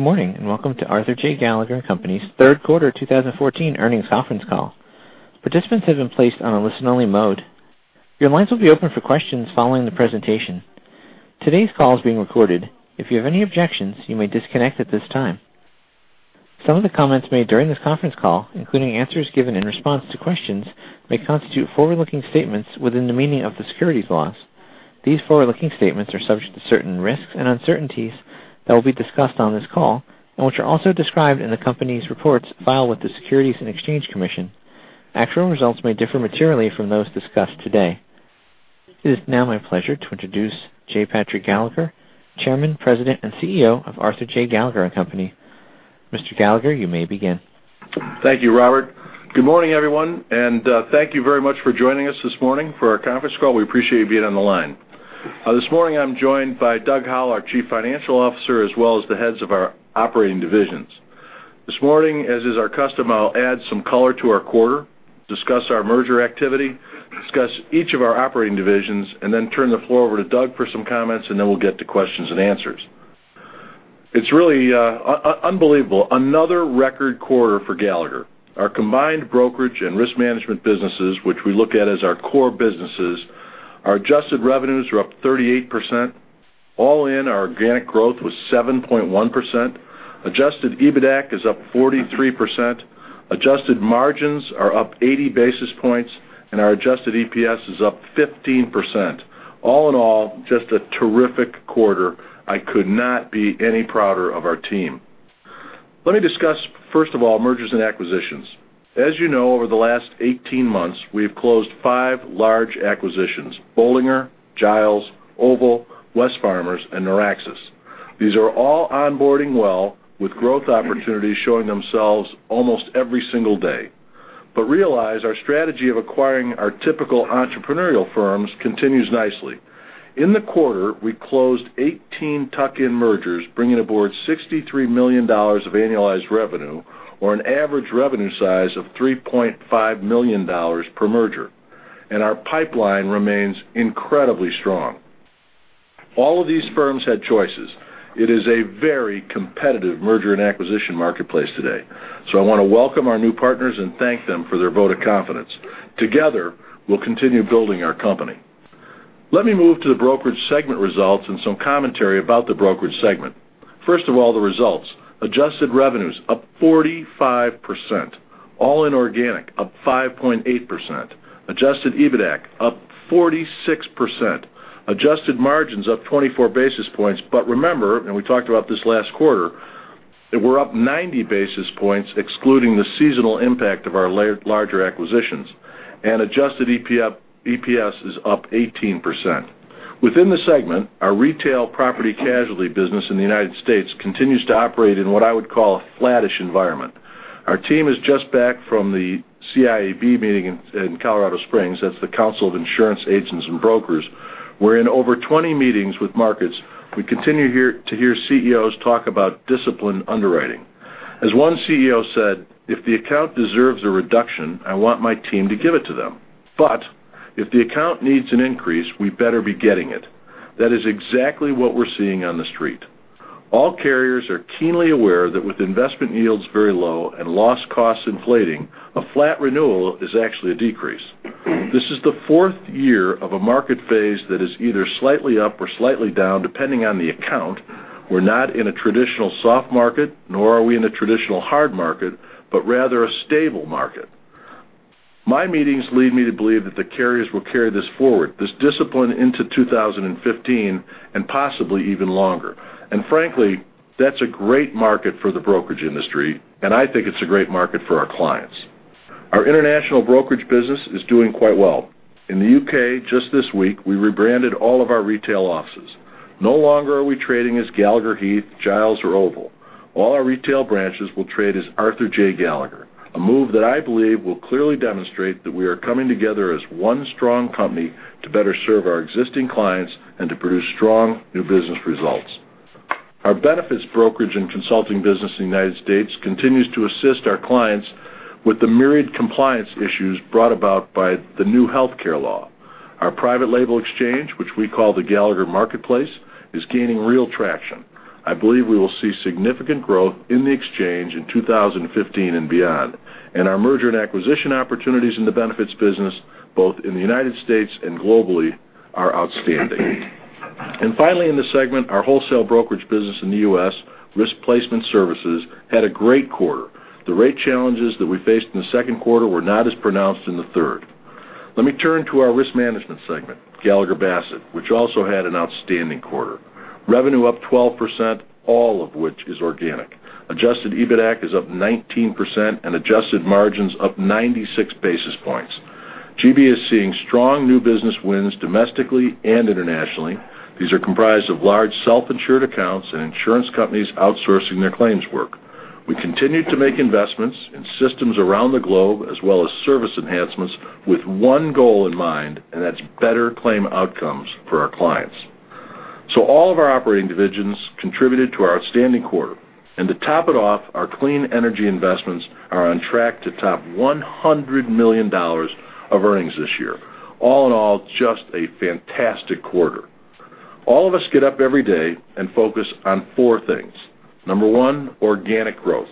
Good morning, and welcome to Arthur J. Gallagher & Co.'s third quarter 2014 earnings conference call. Participants have been placed on a listen-only mode. Your lines will be open for questions following the presentation. Today's call is being recorded. If you have any objections, you may disconnect at this time. Some of the comments made during this conference call, including answers given in response to questions, may constitute forward-looking statements within the meaning of the securities laws. These forward-looking statements are subject to certain risks and uncertainties that will be discussed on this call and which are also described in the Company's reports filed with the Securities and Exchange Commission. Actual results may differ materially from those discussed today. It is now my pleasure to introduce J. Patrick Gallagher, Chairman, President, and CEO of Arthur J. Gallagher & Co.. Mr. Gallagher, you may begin. Thank you, Robert. Good morning, everyone, thank you very much for joining us this morning for our conference call. We appreciate you being on the line. This morning, I'm joined by Doug Howell, our Chief Financial Officer, as well as the heads of our operating divisions. This morning, as is our custom, I'll add some color to our quarter, discuss our merger activity, discuss each of our operating divisions, turn the floor over to Doug for some comments, we'll get to questions and answers. It's really unbelievable. Another record quarter for Gallagher. Our combined brokerage and risk management businesses, which we look at as our core businesses, our adjusted revenues are up 38%. All in, our organic growth was 7.1%. Adjusted EBITAC is up 43%, adjusted margins are up 80 basis points, and our adjusted EPS is up 15%. All in all, just a terrific quarter. I could not be any prouder of our team. Let me discuss, first of all, mergers and acquisitions. As you know, over the last 18 months, we have closed five large acquisitions: Bollinger, Giles, Oval, Wesfarmers, and Noraxis. These are all onboarding well, with growth opportunities showing themselves almost every single day. Realize our strategy of acquiring our typical entrepreneurial firms continues nicely. In the quarter, we closed 18 tuck-in mergers, bringing aboard $63 million of annualized revenue or an average revenue size of $3.5 million per merger. Our pipeline remains incredibly strong. All of these firms had choices. It is a very competitive merger and acquisition marketplace today. I want to welcome our new partners and thank them for their vote of confidence. Together, we'll continue building our company. Let me move to the brokerage segment results and some commentary about the brokerage segment. First of all, the results. Adjusted revenues up 45%, all inorganic, up 5.8%. Adjusted EBITAC up 46%, adjusted margins up 24 basis points. Remember, we talked about this last quarter, that we're up 90 basis points excluding the seasonal impact of our larger acquisitions, adjusted EPS is up 18%. Within the segment, our retail property casualty business in the United States continues to operate in what I would call a flattish environment. Our team is just back from the CIAB meeting in Colorado Springs. That's The Council of Insurance Agents & Brokers, where in over 20 meetings with markets, we continue to hear CEOs talk about disciplined underwriting. As one CEO said, "If the account deserves a reduction, I want my team to give it to them. If the account needs an increase, we better be getting it." That is exactly what we're seeing on the street. All carriers are keenly aware that with investment yields very low and loss costs inflating, a flat renewal is actually a decrease. This is the fourth year of a market phase that is either slightly up or slightly down, depending on the account. We're not in a traditional soft market, nor are we in a traditional hard market, but rather a stable market. My meetings lead me to believe that the carriers will carry this forward, this discipline into 2015 and possibly even longer. Frankly, that's a great market for the brokerage industry, and I think it's a great market for our clients. Our international brokerage business is doing quite well. In the U.K., just this week, we rebranded all of our retail offices. No longer are we trading as Gallagher Heath, Giles, or Oval. All our retail branches will trade as Arthur J. Gallagher, a move that I believe will clearly demonstrate that we are coming together as one strong company to better serve our existing clients and to produce strong new business results. Our benefits brokerage and consulting business in the U.S. continues to assist our clients with the myriad compliance issues brought about by the new healthcare law. Our private label exchange, which we call the Gallagher Marketplace, is gaining real traction. I believe we will see significant growth in the exchange in 2015 and beyond. Our merger and acquisition opportunities in the benefits business, both in the U.S. and globally, are outstanding. Finally, in this segment, our wholesale brokerage business in the U.S., Risk Placement Services, had a great quarter. The rate challenges that we faced in the second quarter were not as pronounced in the third. Let me turn to our risk management segment, Gallagher Bassett, which also had an outstanding quarter. Revenue up 12%, all of which is organic. Adjusted EBITAC is up 19%, and adjusted margins up 96 basis points. GB is seeing strong new business wins domestically and internationally. These are comprised of large self-insured accounts and insurance companies outsourcing their claims work. We continue to make investments in systems around the globe, as well as service enhancements with one goal in mind, and that's better claim outcomes for our clients. All of our operating divisions contributed to our outstanding quarter. To top it off, our clean energy investments are on track to top $100 million of earnings this year. All in all, just a fantastic quarter. All of us get up every day and focus on four things. Number one, organic growth.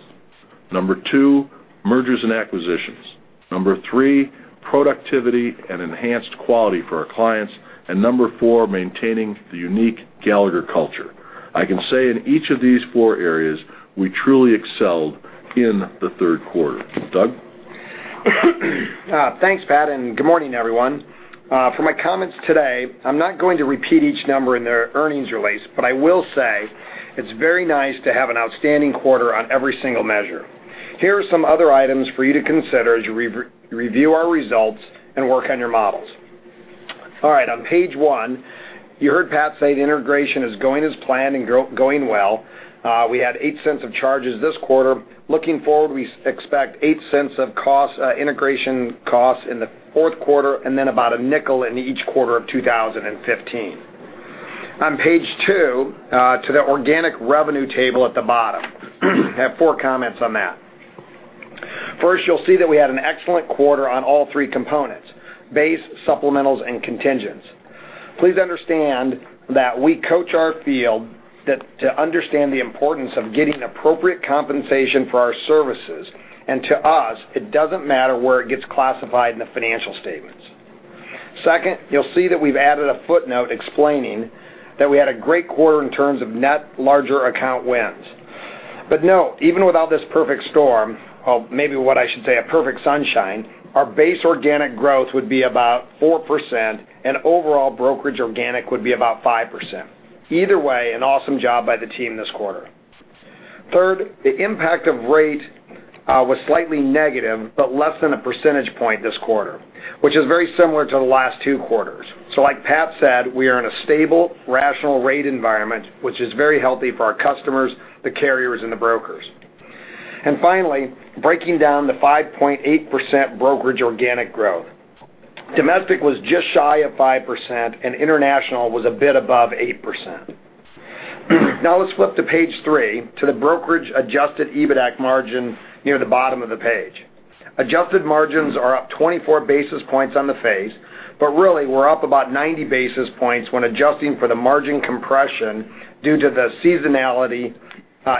Number two, mergers and acquisitions. Number three, productivity and enhanced quality for our clients. Number four, maintaining the unique Gallagher culture. I can say in each of these four areas, we truly excelled in the third quarter. Doug? Thanks, Pat, and good morning, everyone. For my comments today, I'm not going to repeat each number in the earnings release, but I will say it's very nice to have an outstanding quarter on every single measure. Here are some other items for you to consider as you review our results and work on your models. All right, on page one, you heard Pat say integration is going as planned and going well. We had $0.08 of charges this quarter. Looking forward, we expect $0.08 of integration costs in the fourth quarter, and then about $0.05 in each quarter of 2015. On page two, to the organic revenue table at the bottom, I have four comments on that. First, you'll see that we had an excellent quarter on all three components, base, supplementals, and contingents. Please understand that we coach our field to understand the importance of getting appropriate compensation for our services. To us, it doesn't matter where it gets classified in the financial statements. Second, you'll see that we've added a footnote explaining that we had a great quarter in terms of net larger account wins. Note, even without this perfect storm, or maybe what I should say, a perfect sunshine, our base organic growth would be about 4%, and overall brokerage organic would be about 5%. Either way, an awesome job by the team this quarter. Third, the impact of rate was slightly negative, but less than a percentage point this quarter, which is very similar to the last two quarters. Like Pat said, we are in a stable, rational rate environment, which is very healthy for our customers, the carriers, and the brokers. Finally, breaking down the 5.8% brokerage organic growth. Domestic was just shy of 5%, and international was a bit above 8%. Let's flip to page three, to the brokerage adjusted EBITAC margin near the bottom of the page. Adjusted margins are up 24 basis points on the face, but really, we're up about 90 basis points when adjusting for the margin compression due to the seasonality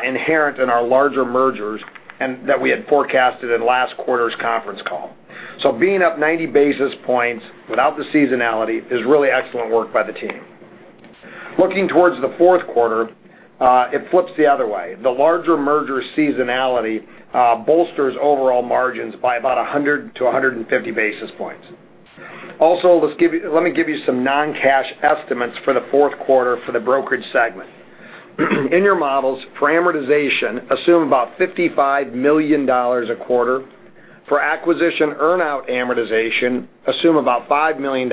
inherent in our larger mergers and that we had forecasted in last quarter's conference call. Being up 90 basis points without the seasonality is really excellent work by the team. Looking towards the fourth quarter, it flips the other way. The larger merger seasonality bolsters overall margins by about 100 to 150 basis points. Let me give you some non-cash estimates for the fourth quarter for the brokerage segment. In your models, for amortization, assume about $55 million a quarter. For acquisition earn-out amortization, assume about $5 million.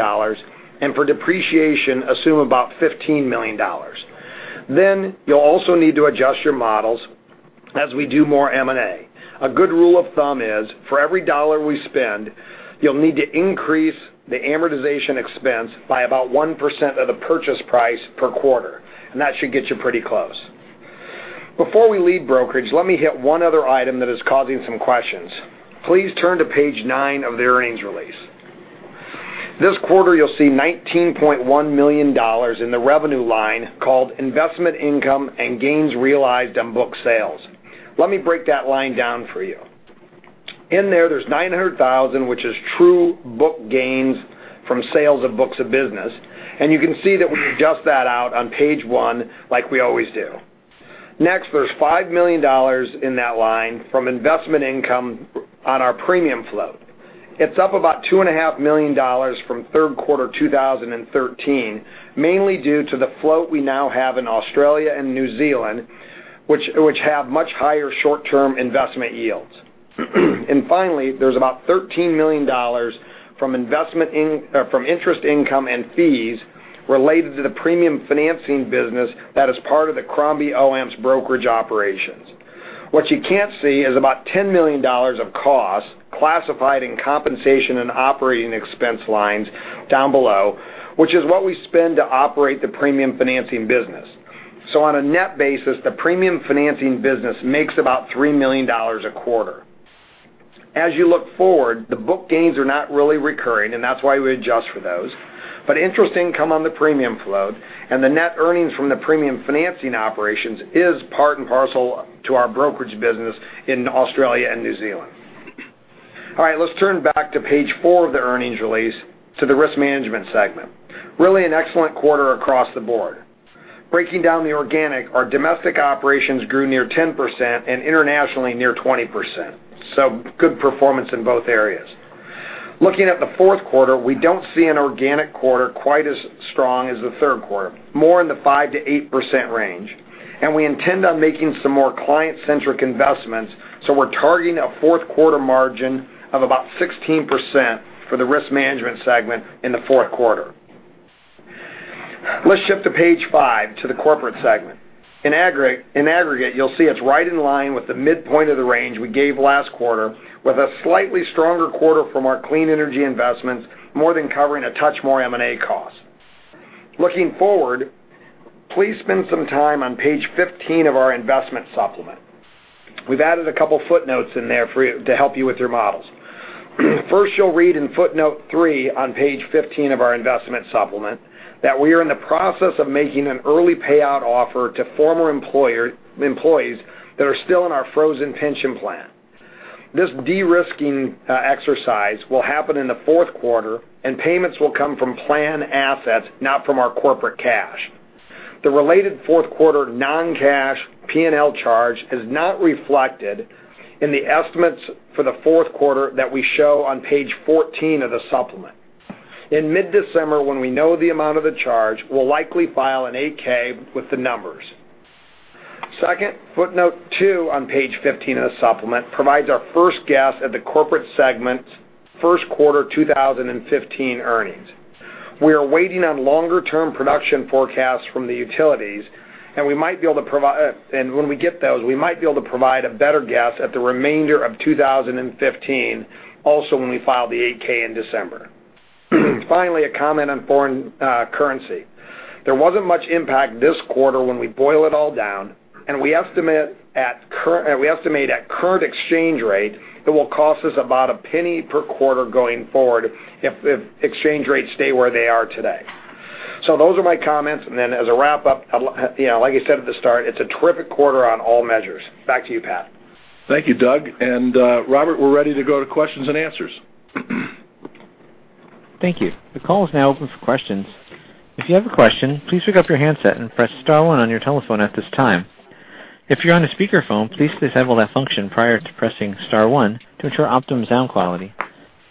For depreciation, assume about $15 million. You'll also need to adjust your models as we do more M&A. A good rule of thumb is for every dollar we spend, you'll need to increase the amortization expense by about 1% of the purchase price per quarter, and that should get you pretty close. Before we leave brokerage, let me hit one other item that is causing some questions. Please turn to page nine of the earnings release. This quarter, you'll see $19.1 million in the revenue line called investment income and gains realized on book sales. Let me break that line down for you. In there's $900,000, which is true book gains from sales of books of business, and you can see that we adjust that out on page one like we always do. There's $5 million in that line from investment income on our premium float. It's up about $2.5 million from third quarter 2013, mainly due to the float we now have in Australia and New Zealand, which have much higher short-term investment yields. Finally, there's about $13 million from interest income and fees related to the premium financing business that is part of the Crombie Lockwood's brokerage operations. What you can't see is about $10 million of costs classified in compensation and operating expense lines down below, which is what we spend to operate the premium financing business. On a net basis, the premium financing business makes about $3 million a quarter. As you look forward, the book gains are not really recurring, and that's why we adjust for those. Interest income on the premium float and the net earnings from the premium financing operations is part and parcel to our brokerage business in Australia and New Zealand. All right. Let's turn back to page four of the earnings release to the risk management segment. Really an excellent quarter across the board. Breaking down the organic, our domestic operations grew near 10% and internationally near 20%. Good performance in both areas. Looking at the fourth quarter, we don't see an organic quarter quite as strong as the third quarter, more in the 5%-8% range. We intend on making some more client-centric investments, we're targeting a fourth quarter margin of about 16% for the risk management segment in the fourth quarter. Let's shift to page five, to the corporate segment. In aggregate, you'll see it's right in line with the midpoint of the range we gave last quarter, with a slightly stronger quarter from our clean energy investments, more than covering a touch more M&A costs. Looking forward, please spend some time on page 15 of our investment supplement. We've added a couple footnotes in there to help you with your models. First, you'll read in footnote three on page 15 of our investment supplement that we are in the process of making an early payout offer to former employees that are still in our frozen pension plan. This de-risking exercise will happen in the fourth quarter, and payments will come from plan assets, not from our corporate cash. The related fourth quarter non-cash P&L charge is not reflected in the estimates for the fourth quarter that we show on page 14 of the supplement. In mid-December, when we know the amount of the charge, we'll likely file an 8-K with the numbers. Second, footnote two on page 15 of the supplement provides our first guess at the corporate segment's first quarter 2015 earnings. We are waiting on longer-term production forecasts from the utilities, and when we get those, we might be able to provide a better guess at the remainder of 2015 also when we file the 8-K in December. Finally, a comment on foreign currency. There wasn't much impact this quarter when we boil it all down, we estimate at current exchange rate, it will cost us about $0.01 per quarter going forward if exchange rates stay where they are today. Those are my comments. As a wrap-up, like I said at the start, it's a terrific quarter on all measures. Back to you, Pat. Thank you, Doug. Robert, we're ready to go to questions and answers. Thank you. The call is now open for questions. If you have a question, please pick up your handset and press star one on your telephone at this time. If you're on a speakerphone, please disable that function prior to pressing star one to ensure optimum sound quality.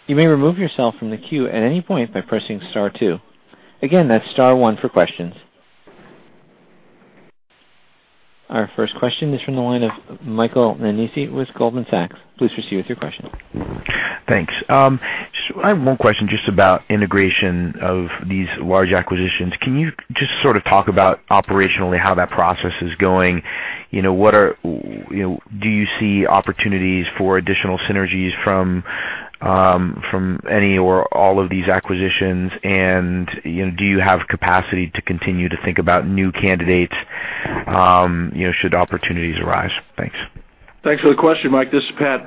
You may remove yourself from the queue at any point by pressing star two. Again, that's star one for questions. Our first question is from the line of Michael Nannizzi with Goldman Sachs. Please proceed with your question. Thanks. I have one question just about integration of these large acquisitions. Can you just sort of talk about operationally how that process is going? Do you see opportunities for additional synergies from any or all of these acquisitions? Do you have capacity to continue to think about new candidates should opportunities arise? Thanks. Thanks for the question, Mike. This is Pat.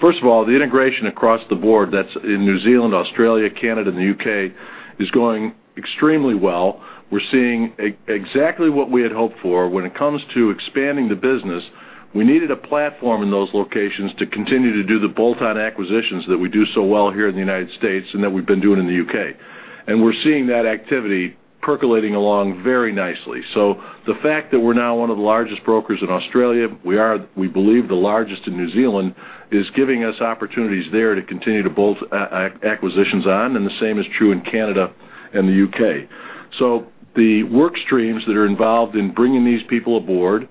First of all, the integration across the board that's in New Zealand, Australia, Canada, and the U.K. is going extremely well. We're seeing exactly what we had hoped for. When it comes to expanding the business, we needed a platform in those locations to continue to do the bolt-on acquisitions that we do so well here in the United States and that we've been doing in the U.K. We're seeing that activity percolating along very nicely. The fact that we're now one of the largest brokers in Australia, we believe the largest in New Zealand, is giving us opportunities there to continue to bolt acquisitions on, and the same is true in Canada and the U.K. The work streams that are involved in bringing these people aboard,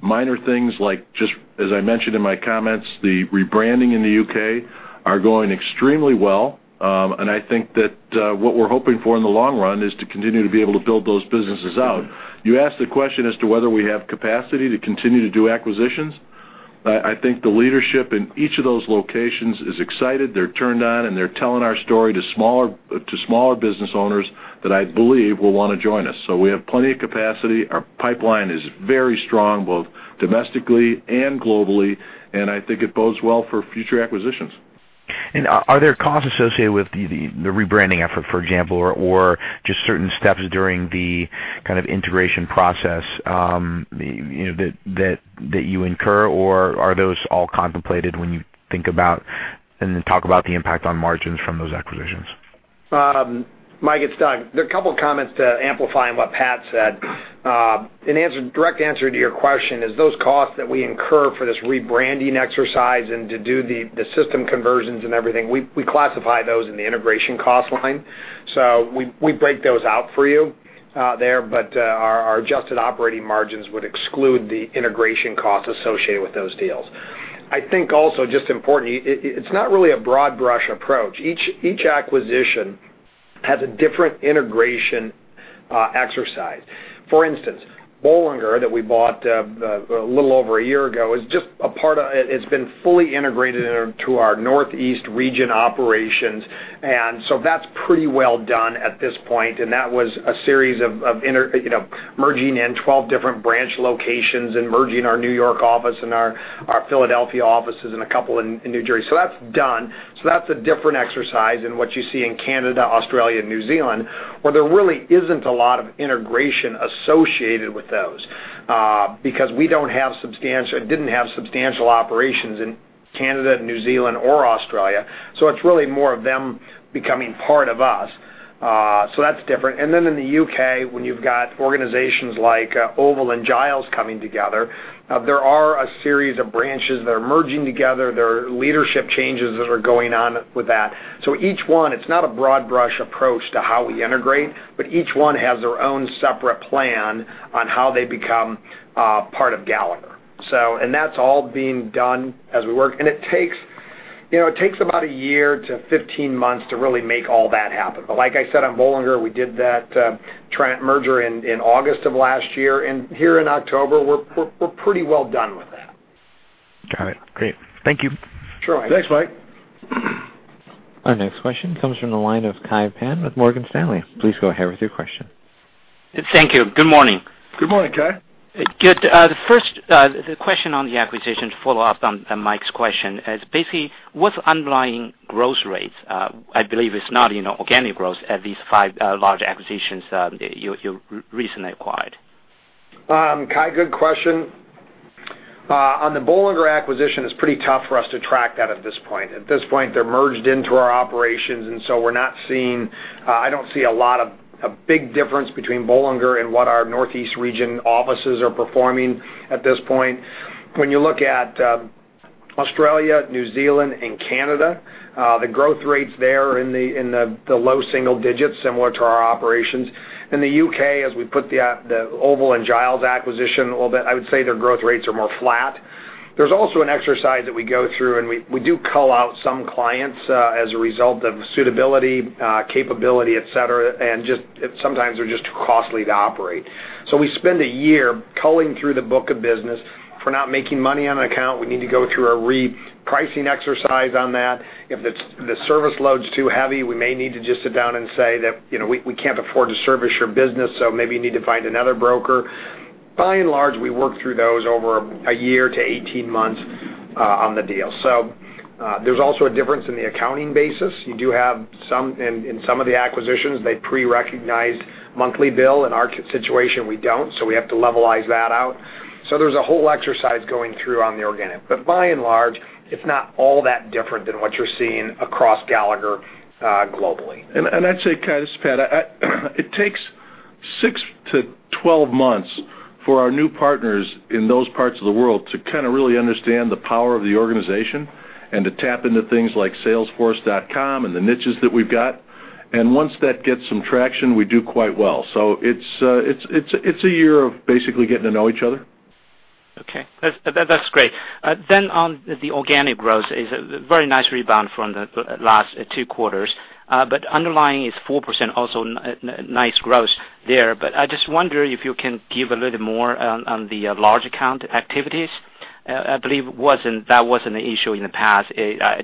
minor things like, just as I mentioned in my comments, the rebranding in the U.K. are going extremely well. I think that what we're hoping for in the long run is to continue to be able to build those businesses out. You asked the question as to whether we have capacity to continue to do acquisitions. I think the leadership in each of those locations is excited. They're turned on, and they're telling our story to smaller business owners that I believe will want to join us. We have plenty of capacity. Our pipeline is very strong, both domestically and globally, I think it bodes well for future acquisitions. Are there costs associated with the rebranding effort, for example, or just certain steps during the kind of integration process that you incur? Are those all contemplated when you think about and then talk about the impact on margins from those acquisitions? Mike, it's Doug. There are a couple of comments to amplify on what Pat said. In direct answer to your question is those costs that we incur for this rebranding exercise and to do the system conversions and everything, we classify those in the integration cost line. We break those out for you there. Our adjusted operating margins would exclude the integration costs associated with those deals. I think also just important, it's not really a broad brush approach. Each acquisition has a different integration exercise. For instance, Bollinger, that we bought a little over a year ago, it's been fully integrated into our Northeast region operations, that's pretty well done at this point. That was a series of merging in 12 different branch locations and merging our New York office and our Philadelphia offices and a couple in New Jersey. That's done. That's a different exercise in what you see in Canada, Australia, and New Zealand, where there really isn't a lot of integration associated with those because we didn't have substantial operations in Canada, New Zealand, or Australia. It's really more of them becoming part of us. That's different. In the U.K., when you've got organizations like Oval and Giles coming together, there are a series of branches that are merging together. There are leadership changes that are going on with that. Each one, it's not a broad brush approach to how we integrate, each one has their own separate plan on how they become part of Gallagher. That's all being done as we work. It takes about a year to 15 months to really make all that happen. Like I said, on Bollinger, we did that merger in August of last year. Here in October, we're pretty well done with that. Got it. Great. Thank you. Sure. Thanks, Mike. Our next question comes from the line of Kai Pan with Morgan Stanley. Please go ahead with your question. Thank you. Good morning. Good morning, Kai. Good. The first question on the acquisition, to follow up on Mike's question, is basically what's underlying growth rates? I believe it's not organic growth at these five large acquisitions you recently acquired. Kai, good question. On the Bollinger acquisition, it's pretty tough for us to track that at this point. At this point, they're merged into our operations. I don't see a big difference between Bollinger and what our Northeast Region offices are performing at this point. When you look at Australia, New Zealand, and Canada, the growth rates there are in the low single digits, similar to our operations. In the U.K., as we put the Oval and Giles acquisition a little bit, I would say their growth rates are more flat. There's also an exercise that we go through. We do cull out some clients as a result of suitability, capability, et cetera, and sometimes they're just too costly to operate. We spend a year culling through the book of business. If we're not making money on an account, we need to go through a repricing exercise on that. If the service load is too heavy, we may need to just sit down and say that, "We can't afford to service your business, so maybe you need to find another broker." By and large, we work through those over a year to 18 months on the deal. There's also a difference in the accounting basis. You do have, in some of the acquisitions, they pre-recognized monthly bill. In our situation, we don't, so we have to levelize that out. There's a whole exercise going through on the organic. By and large, it's not all that different than what you're seeing across Gallagher globally. I'd say, Kai, this is Pat, it takes 6 to 12 months for our new partners in those parts of the world to kind of really understand the power of the organization and to tap into things like salesforce.com and the niches that we've got. Once that gets some traction, we do quite well. It's a year of basically getting to know each other. Okay. That's great. On the organic growth, it's a very nice rebound from the last two quarters. Underlying is 4%, also nice growth there, but I just wonder if you can give a little more on the large account activities. I believe that wasn't an issue in the past.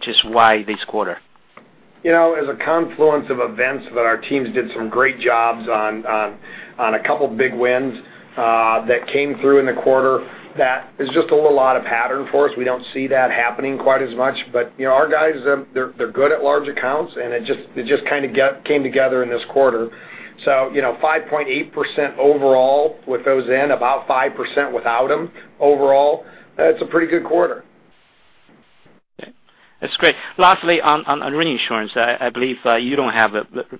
Just why this quarter? As a confluence of events that our teams did some great jobs on a couple of big wins that came through in the quarter, that is just a little out of pattern for us. We don't see that happening quite as much, but our guys, they're good at large accounts, and it just kind of came together in this quarter. 5.8% overall with those in, about 5% without them overall, that's a pretty good quarter. Okay. That's great. Lastly, on reinsurance, I believe you don't have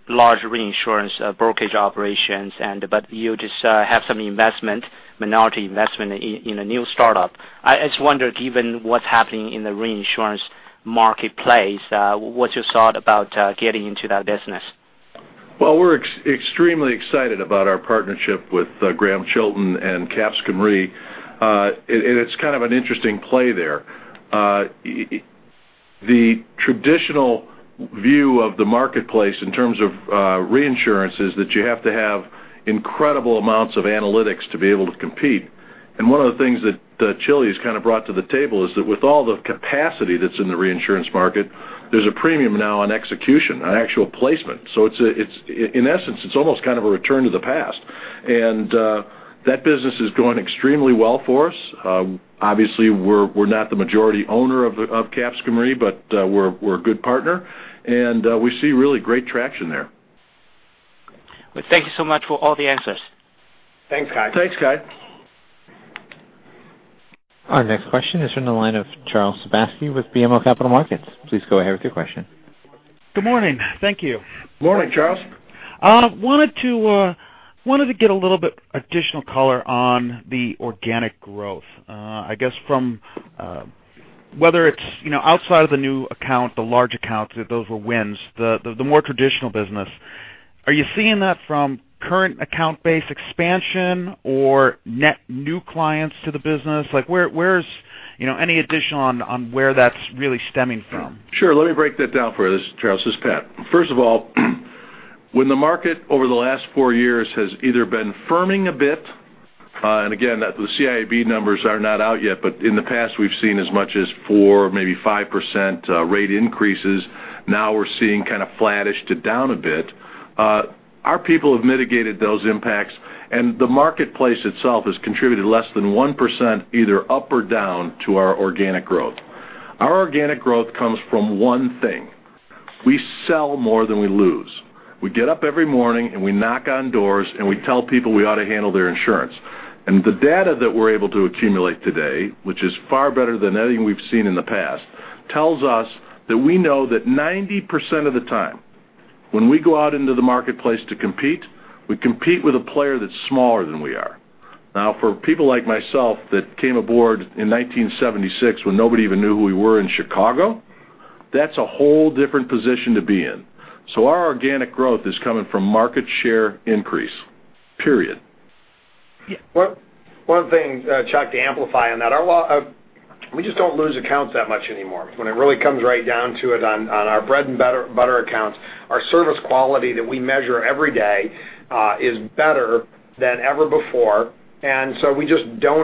large reinsurance brokerage operations, but you just have some investment, minority investment in a new startup. I just wondered, given what's happening in the reinsurance marketplace, what's your thought about getting into that business? Well, we're extremely excited about our partnership with Grahame Chilton and Capsicum Re. It's kind of an interesting play there. The traditional view of the marketplace in terms of reinsurance is that you have to have incredible amounts of analytics to be able to compete. One of the things that Chili's kind of brought to the table is that with all the capacity that's in the reinsurance market, there's a premium now on execution, on actual placement. In essence, it's almost kind of a return to the past. That business is going extremely well for us. Obviously, we're not the majority owner of Capsicum Re, but we're a good partner, and we see really great traction there. Thank you so much for all the answers. Thanks, Kai. Thanks, Kai. Our next question is from the line of Charles Sebaski with BMO Capital Markets. Please go ahead with your question. Good morning. Thank you. Morning, Charles. Wanted to get a little bit additional color on the organic growth. I guess from, whether it's outside of the new account, the large accounts, those were wins, the more traditional business. Are you seeing that from current account-based expansion or net new clients to the business? Like where's any additional on where that's really stemming from? Sure. Let me break that down for you, Charles. This is Pat. First of all, when the market over the last four years has either been firming a bit, again, the CIAB numbers are not out yet, but in the past, we've seen as much as 4%, maybe 5% rate increases. Now we're seeing kind of flattish to down a bit. Our people have mitigated those impacts, the marketplace itself has contributed less than 1%, either up or down to our organic growth. Our organic growth comes from one thing. We sell more than we lose. We get up every morning, we knock on doors, and we tell people we ought to handle their insurance. The data that we're able to accumulate today, which is far better than anything we've seen in the past, tells us that we know that 90% of the time when we go out into the marketplace to compete, we compete with a player that's smaller than we are. Now, for people like myself that came aboard in 1976 when nobody even knew who we were in Chicago, that's a whole different position to be in. Our organic growth is coming from market share increase, period. One thing, Chuck, to amplify on that. We just don't lose accounts that much anymore. When it really comes right down to it on our bread and butter accounts, our service quality that we measure every day, is better than ever before. We just don't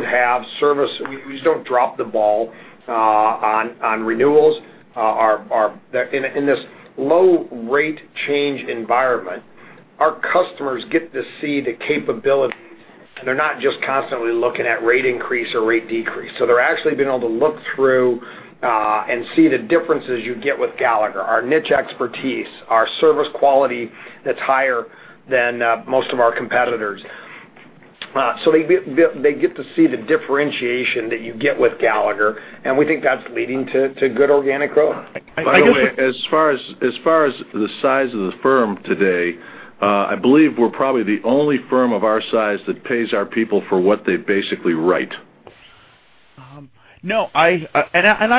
drop the ball on renewals. In this low rate change environment. Our customers get to see the capabilities, they're not just constantly looking at rate increase or rate decrease. They're actually being able to look through and see the differences you get with Gallagher. Our niche expertise, our service quality that's higher than most of our competitors. They get to see the differentiation that you get with Gallagher, we think that's leading to good organic growth. By the way, as far as the size of the firm today, I believe we're probably the only firm of our size that pays our people for what they basically write. No, I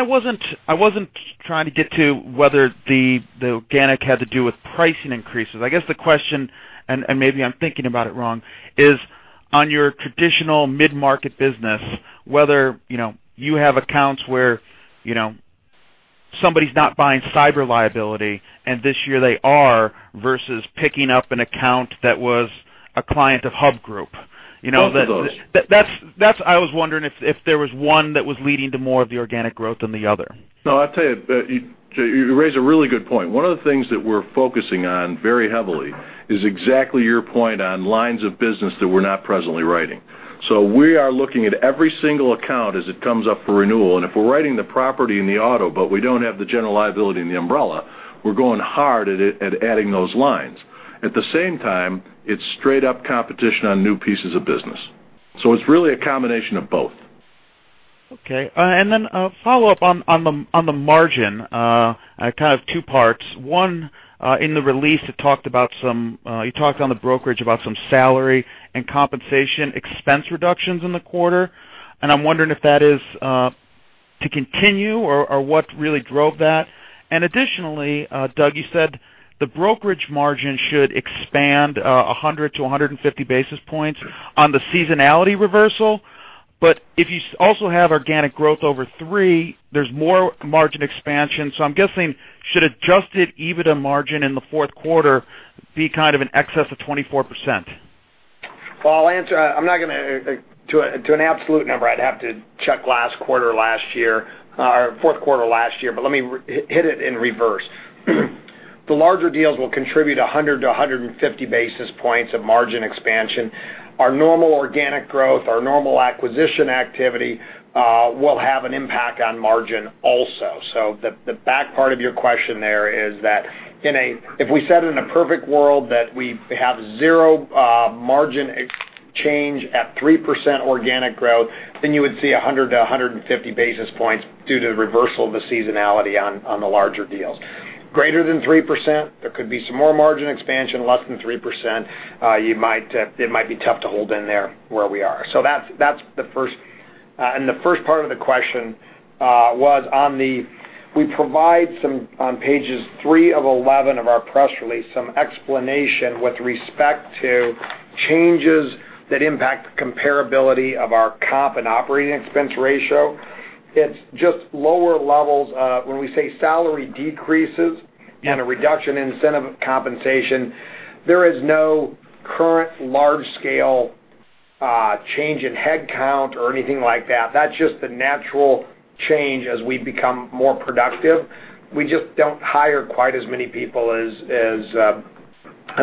wasn't trying to get to whether the organic had to do with pricing increases. I guess the question, and maybe I'm thinking about it wrong, is on your traditional mid-market business, whether you have accounts where somebody's not buying cyber liability and this year they are, versus picking up an account that was a client of Hub International. Both of those. I was wondering if there was one that was leading to more of the organic growth than the other. No, I'll tell you, Jay, you raise a really good point. One of the things that we're focusing on very heavily is exactly your point on lines of business that we're not presently writing. We are looking at every single account as it comes up for renewal, and if we're writing the property and the auto, but we don't have the general liability and the umbrella, we're going hard at adding those lines. At the same time, it's straight-up competition on new pieces of business. It's really a combination of both. Okay. Then a follow-up on the margin, kind of two parts. One, in the release, you talked on the brokerage about some salary and compensation expense reductions in the quarter, and I'm wondering if that is to continue or what really drove that. Additionally, Doug, you said the brokerage margin should expand 100 to 150 basis points on the seasonality reversal. If you also have organic growth over three, there's more margin expansion. I'm guessing, should adjusted EBITDA margin in the fourth quarter be kind of in excess of 24%? Well, I'll answer. To an absolute number, I'd have to check fourth quarter last year, but let me hit it in reverse. The larger deals will contribute 100 to 150 basis points of margin expansion. Our normal organic growth, our normal acquisition activity will have an impact on margin also. The back part of your question there is that if we said it in a perfect world that we have zero margin exchange at 3% organic growth, you would see 100 to 150 basis points due to the reversal of the seasonality on the larger deals. Greater than 3%, there could be some more margin expansion. Less than 3%, it might be tough to hold in there where we are. The first part of the question was, we provide on pages three of 11 of our press release, some explanation with respect to changes that impact the comparability of our comp and operating expense ratio. It's just lower levels of when we say salary decreases and a reduction in incentive compensation. There is no current large-scale change in headcount or anything like that. That's just the natural change as we become more productive. We just don't hire quite as many people as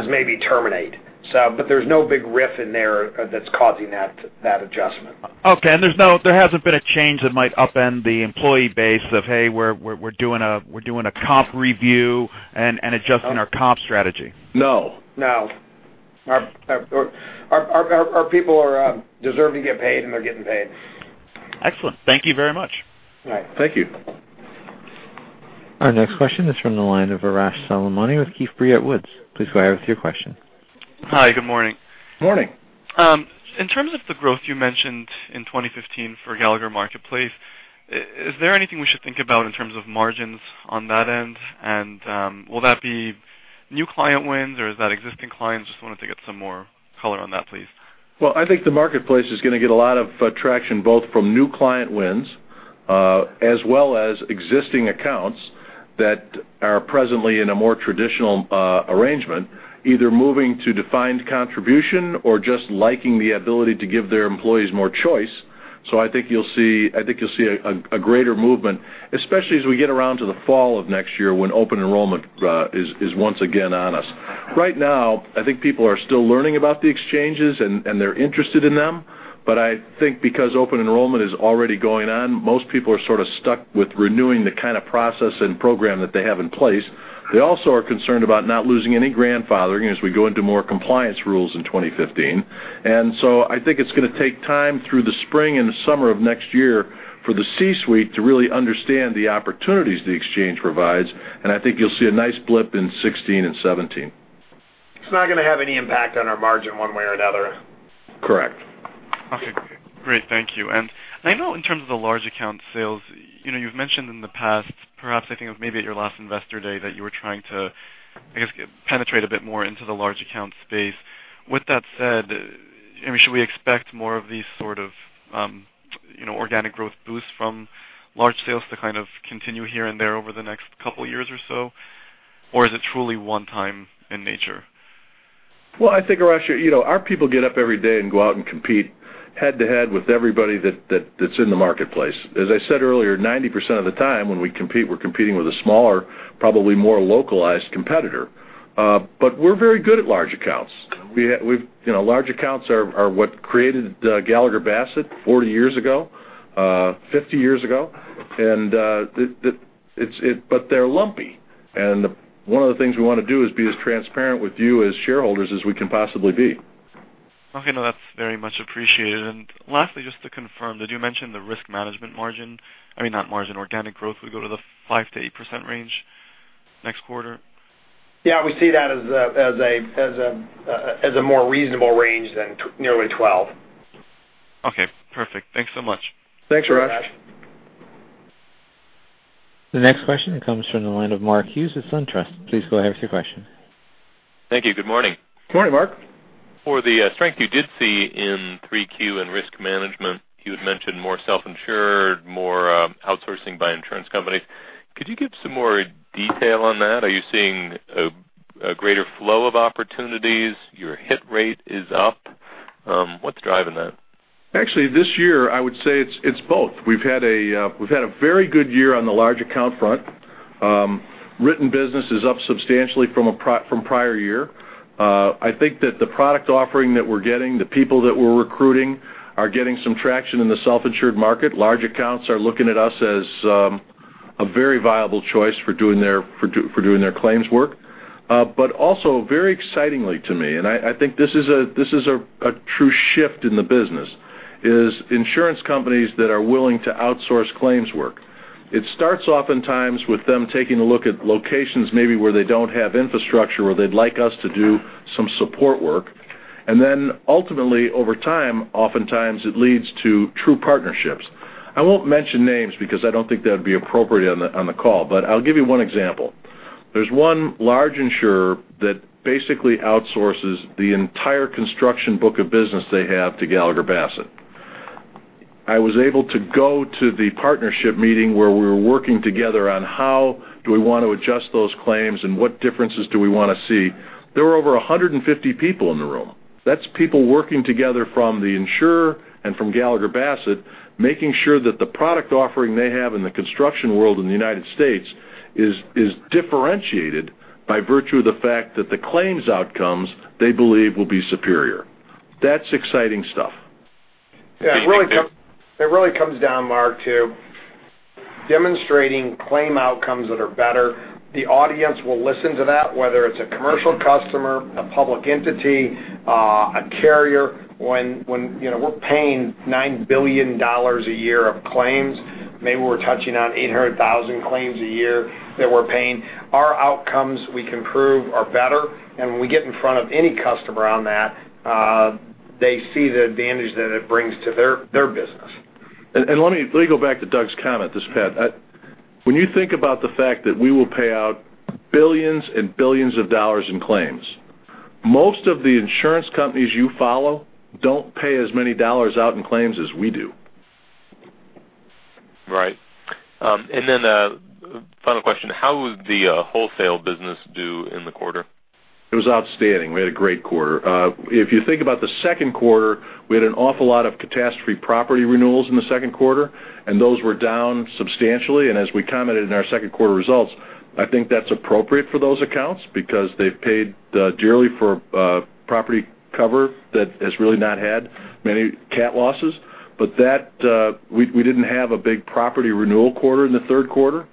maybe terminate. There's no big riff in there that's causing that adjustment. Okay. There hasn't been a change that might upend the employee base of, hey, we're doing a comp review and adjusting our comp strategy. No. No. Our people deserve to get paid, and they're getting paid. Excellent. Thank you very much. All right. Thank you. Our next question is from the line of Elyse Greenspan with Keefe, Bruyette & Woods. Please go ahead with your question. Hi. Good morning. Morning. In terms of the growth you mentioned in 2015 for Gallagher Marketplace, is there anything we should think about in terms of margins on that end? Will that be new client wins or is that existing clients? Just wanted to get some more color on that, please. Well, I think the marketplace is going to get a lot of traction both from new client wins as well as existing accounts that are presently in a more traditional arrangement, either moving to defined contribution or just liking the ability to give their employees more choice. I think you'll see a greater movement, especially as we get around to the fall of next year when open enrollment is once again on us. Right now, I think people are still learning about the exchanges, and they're interested in them. I think because open enrollment is already going on, most people are sort of stuck with renewing the kind of process and program that they have in place. They also are concerned about not losing any grandfathering as we go into more compliance rules in 2015. I think it's going to take time through the spring and the summer of next year for the C-suite to really understand the opportunities the exchange provides, and I think you'll see a nice blip in 2016 and 2017. It's not going to have any impact on our margin one way or another. Correct. Okay, great. Thank you. I know in terms of the large account sales, you've mentioned in the past, perhaps I think maybe at your last Investor Day, that you were trying to, I guess, penetrate a bit more into the large account space. With that said, should we expect more of these sort of organic growth boosts from large sales to kind of continue here and there over the next couple of years or so? Or is it truly one time in nature? I think, Arash, our people get up every day and go out and compete head to head with everybody that's in the marketplace. As I said earlier, 90% of the time when we compete, we're competing with a smaller probably more localized competitor. We're very good at large accounts. Large accounts are what created Gallagher Bassett 40 years ago, 50 years ago, but they're lumpy. One of the things we want to do is be as transparent with you as shareholders as we can possibly be. No, that's very much appreciated. Lastly, just to confirm that you mentioned the risk management margin, I mean, not margin, organic growth would go to the 5%-8% range next quarter. We see that as a more reasonable range than nearly 12. Perfect. Thanks so much. Thanks, Rush. Thanks, Rush. The next question comes from the line of Mark Hughes at SunTrust. Please go ahead with your question. Thank you. Good morning. Good morning, Mark. For the strength you did see in 3Q and risk management, you had mentioned more self-insured, more outsourcing by insurance companies. Could you give some more detail on that? Are you seeing a greater flow of opportunities? Your hit rate is up. What's driving that? Actually, this year, I would say it's both. We've had a very good year on the large account front. Written business is up substantially from prior year. I think that the product offering that we're getting, the people that we're recruiting are getting some traction in the self-insured market. Large accounts are looking at us as a very viable choice for doing their claims work. Also, very excitingly to me, I think this is a true shift in the business, is insurance companies that are willing to outsource claims work. It starts oftentimes with them taking a look at locations maybe where they don't have infrastructure, or they'd like us to do some support work. Ultimately, over time, oftentimes it leads to true partnerships. I won't mention names because I don't think that would be appropriate on the call, but I'll give you one example. There's one large insurer that basically outsources the entire construction book of business they have to Gallagher Bassett. I was able to go to the partnership meeting where we were working together on how do we want to adjust those claims and what differences do we want to see. There were over 150 people in the room. That's people working together from the insurer and from Gallagher Bassett, making sure that the product offering they have in the construction world in the United States is differentiated by virtue of the fact that the claims outcomes they believe will be superior. That's exciting stuff. Yeah. It really comes down, Mark, to demonstrating claim outcomes that are better. The audience will listen to that, whether it's a commercial customer, a public entity, a carrier. When we're paying $9 billion a year of claims, maybe we're touching on 800,000 claims a year that we're paying, our outcomes we can prove are better, and when we get in front of any customer on that, they see the advantage that it brings to their business. Let me go back to Doug's comment, this is Pat. When you think about the fact that we will pay out billions and billions of dollars in claims, most of the insurance companies you follow don't pay as many dollars out in claims as we do. Right. Final question, how was the wholesale business do in the quarter? It was outstanding. We had a great quarter. If you think about the second quarter, we had an awful lot of catastrophe property renewals in the second quarter, and those were down substantially, and as we commented in our second quarter results, I think that's appropriate for those accounts because they've paid dearly for property cover that has really not had many cat losses. We didn't have a big property renewal quarter in the third quarter.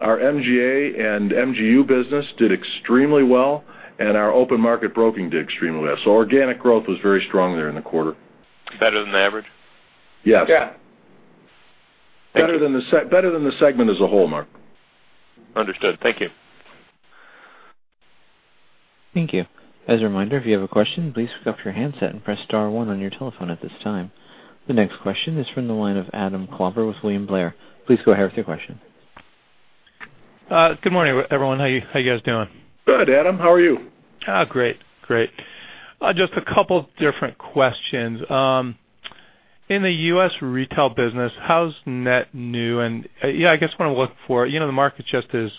Our MGA and MGU business did extremely well, and our open market broking did extremely well. Organic growth was very strong there in the quarter. Better than the average? Yes. Yeah. Thank you. Better than the segment as a whole, Mark. Understood. Thank you. Thank you. As a reminder, if you have a question, please pick up your handset and press star one on your telephone at this time. The next question is from the line of Adam Klauber with William Blair. Please go ahead with your question. Good morning, everyone. How are you guys doing? Good, Adam. How are you? Great. Just a couple different questions. In the U.S. retail business, how's net new? I guess what I'm looking for, the market just is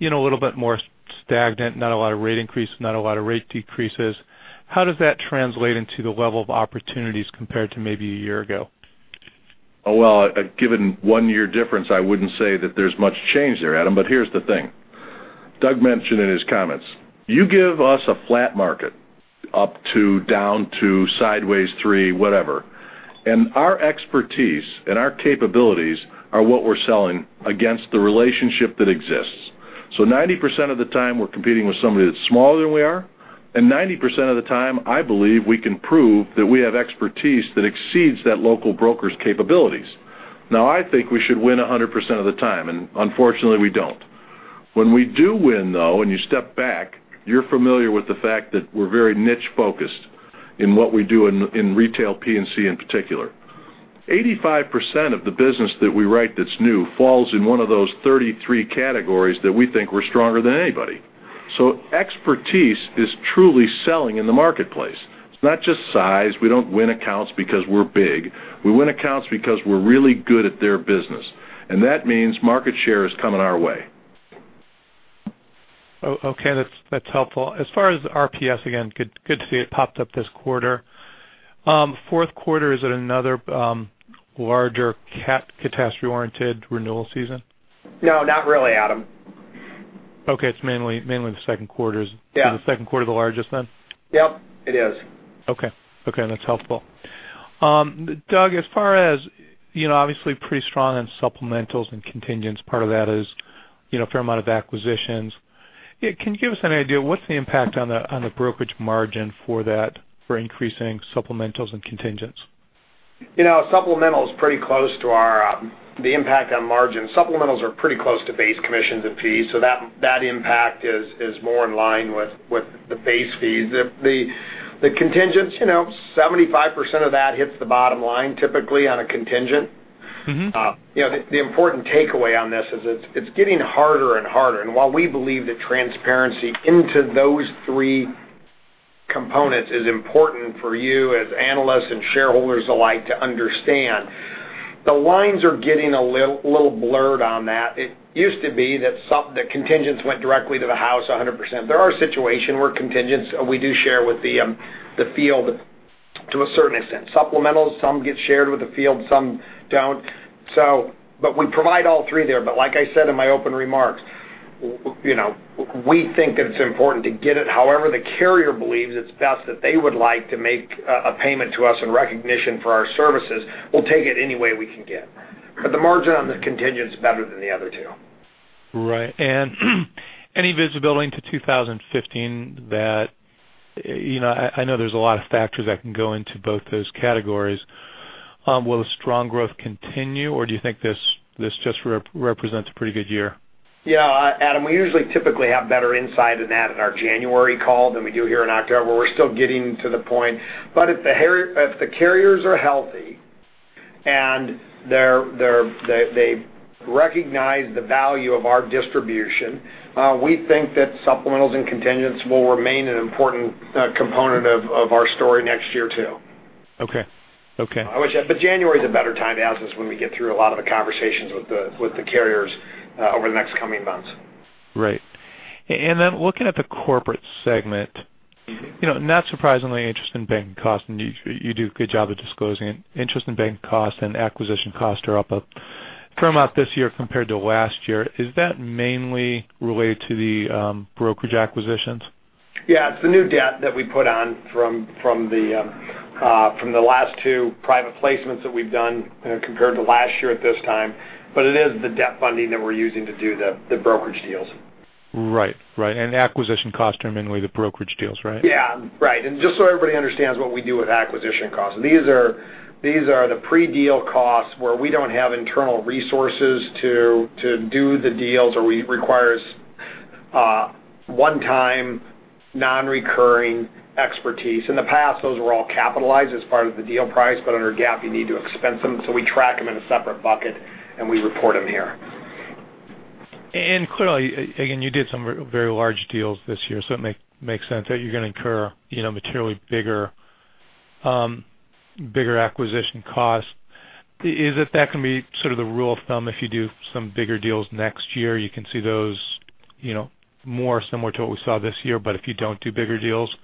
a little bit more stagnant, not a lot of rate increase, not a lot of rate decreases. How does that translate into the level of opportunities compared to maybe a year ago? Well, given one year difference, I wouldn't say that there's much change there, Adam. Here's the thing. Doug mentioned in his comments, you give us a flat market up to, down to, sideways three, whatever. Our expertise and our capabilities are what we're selling against the relationship that exists. 90% of the time, we're competing with somebody that's smaller than we are. 90% of the time, I believe we can prove that we have expertise that exceeds that local broker's capabilities. Now, I think we should win 100% of the time. Unfortunately, we don't. When we do win, though, you're familiar with the fact that we're very niche-focused in what we do in retail P&C in particular. 85% of the business that we write that's new falls in one of those 33 categories that we think we're stronger than anybody. Expertise is truly selling in the marketplace. It's not just size. We don't win accounts because we're big. We win accounts because we're really good at their business. That means market share is coming our way. Okay, that's helpful. As far as RPS, again, good to see it popped up this quarter. Fourth quarter, is it another larger cat catastrophe oriented renewal season? No, not really, Adam. Okay. It's mainly the second quarters. Yeah. Is the second quarter the largest then? Yep, it is. Okay. That's helpful. Doug, as far as, obviously pretty strong on supplementals and contingents. Part of that is a fair amount of acquisitions. Can you give us an idea, what's the impact on the brokerage margin for that, for increasing supplementals and contingents? Supplementals pretty close to the impact on margin. Supplementals are pretty close to base commissions and fees, so that impact is more in line with the base fees. The contingents, 75% of that hits the bottom line typically on a contingent. The important takeaway on this is it's getting harder and harder. While we believe that transparency into those three components is important for you as analysts and shareholders alike to understand, the lines are getting a little blurred on that. It used to be that contingents went directly to the house 100%. There are situation where contingents, we do share with the field to a certain extent. Supplementals, some get shared with the field, some don't. We provide all three there. Like I said in my opening remarks, we think that it's important to get it however the carrier believes it's best that they would like to make a payment to us in recognition for our services. We'll take it any way we can get. The margin on the contingent is better than the other two. Right. Any visibility into 2015 that I know there's a lot of factors that can go into both those categories. Will the strong growth continue, or do you think this just represents a pretty good year? Yeah. Adam, we usually typically have better insight in that in our January call than we do here in October. We're still getting to the point. If the carriers are healthy and they recognize the value of our distribution, we think that supplementals and contingents will remain an important component of our story next year, too. Okay. January is a better time to ask us when we get through a lot of the conversations with the carriers over the next coming months. Right. Then looking at the corporate segment. Not surprisingly, interest and bank cost, and you do a good job of disclosing it. Interest and bank cost and acquisition costs are up a fair amount this year compared to last year. Is that mainly related to the brokerage acquisitions? Yeah. It's the new debt that we put on from the last two private placements that we've done compared to last year at this time. It is the debt funding that we're using to do the brokerage deals. Right. Acquisition costs are mainly the brokerage deals, right? Yeah. Right. Just so everybody understands what we do with acquisition costs, these are the pre-deal costs where we don't have internal resources to do the deals, or requires one-time non-recurring expertise. In the past, those were all capitalized as part of the deal price, but under GAAP, you need to expense them. We track them in a separate bucket, and we report them here. Clearly, again, you did some very large deals this year, so it makes sense that you're going to incur materially bigger acquisition costs. Is it that can be sort of the rule of thumb if you do some bigger deals next year, you can see those more similar to what we saw this year, but if you don't do bigger deals,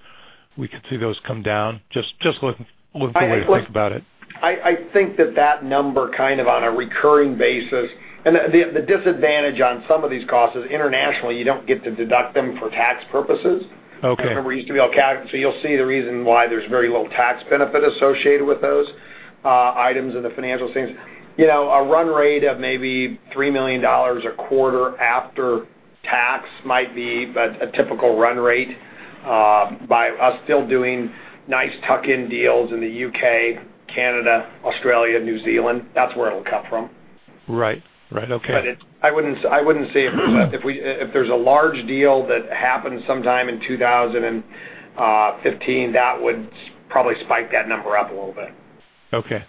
we could see those come down? Just looking the way to think about it. I think that that number kind of on a recurring basis. The disadvantage on some of these costs is internationally, you don't get to deduct them for tax purposes. Okay. I remember it used to be all cap, you'll see the reason why there's very little tax benefit associated with those items in the financial statements. A run rate of maybe $3 million a quarter after tax might be a typical run rate. By us still doing nice tuck-in deals in the U.K., Canada, Australia, New Zealand. That's where it'll come from. Right. Okay. I wouldn't say if there's a large deal that happens sometime in 2015, that would probably spike that number up a little bit. Okay.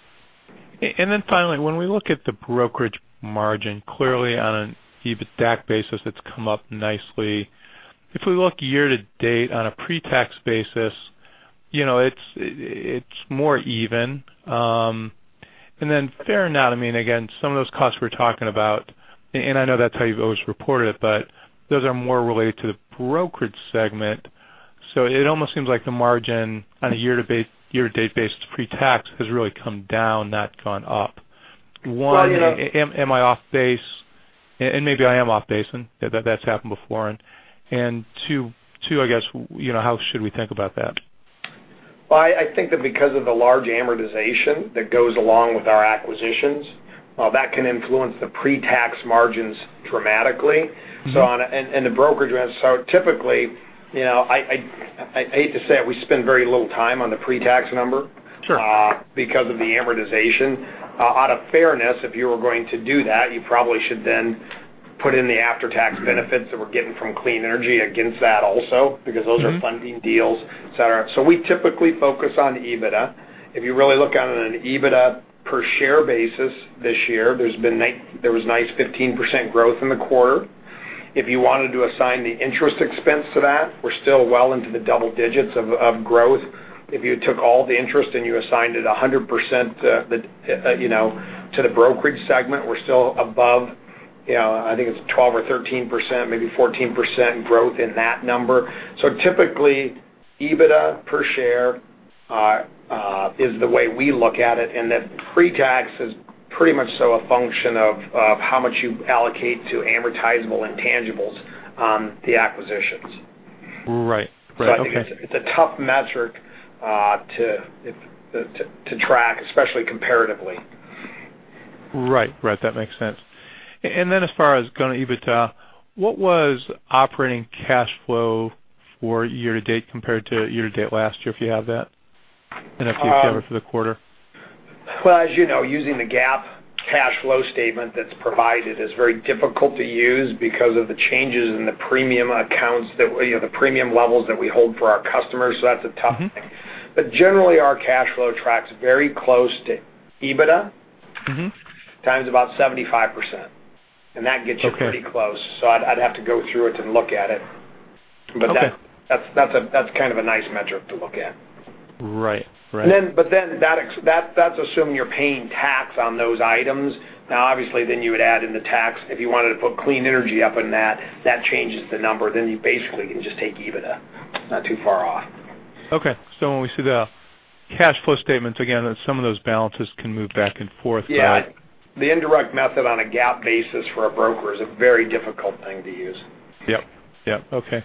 Finally, when we look at the brokerage margin, clearly on an EBITDAC basis, it's come up nicely. If we look year-to-date on a pre-tax basis, it's more even. Fair or not, again, some of those costs we're talking about, and I know that's how you've always reported it, those are more related to the brokerage segment. It almost seems like the margin on a year-to-date basis pre-tax has really come down, not gone up. Well, you know. Am I off base? Maybe I am off base, and that's happened before. Two, I guess, how should we think about that? Well, I think that because of the large amortization that goes along with our acquisitions, that can influence the pre-tax margins dramatically. The brokerage rents are typically, I hate to say it, we spend very little time on the pre-tax number. Sure because of the amortization. Out of fairness, if you were going to do that, you probably should then put in the after-tax benefits that we're getting from Clean Energy against that also, because those are funding deals, et cetera. We typically focus on EBITDA. If you really look on an EBITDA per share basis this year, there was nice 15% growth in the quarter. If you wanted to assign the interest expense to that, we're still well into the double digits of growth If you took all the interest and you assigned it 100% to the brokerage segment, we're still above, I think it's 12% or 13%, maybe 14% growth in that number. Typically, EBITDA per share is the way we look at it, and that pre-tax is pretty much so a function of how much you allocate to amortizable intangibles the acquisitions. Right. Okay. I think it's a tough metric to track, especially comparatively. Right. That makes sense. Then as far as going to EBITDA, what was operating cash flow for year-to-date compared to year-to-date last year, if you have that? If you have it for the quarter. Well, as you know, using the GAAP cash flow statement that's provided is very difficult to use because of the changes in the premium levels that we hold for our customers. That's a tough thing. Generally, our cash flow tracks very close to EBITDA. Times about 75%. That gets you. Okay Pretty close. I'd have to go through it to look at it. Okay. That's kind of a nice metric to look at. Right. That's assuming you're paying tax on those items. Now, obviously, you would add in the tax. If you wanted to put clean energy up in that changes the number, you basically can just take EBITDA. It's not too far off. When we see the cash flow statements again, some of those balances can move back and forth, right? The indirect method on a GAAP basis for a broker is a very difficult thing to use. Yep. Okay.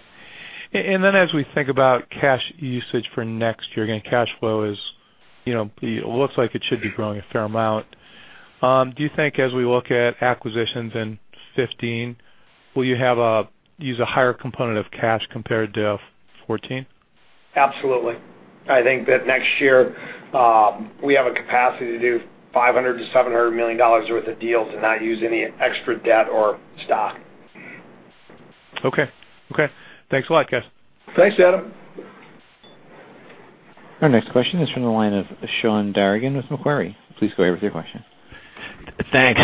Then as we think about cash usage for next year, again, cash flow, it looks like it should be growing a fair amount. Do you think as we look at acquisitions in 2015, will you use a higher component of cash compared to 2014? Absolutely. I think that next year, we have a capacity to do $500 million-$700 million worth of deals and not use any extra debt or stock. Okay. Thanks a lot, guys. Thanks, Adam. Our next question is from the line of Sean Dargan with Macquarie. Please go ahead with your question. Thanks.